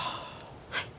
はい。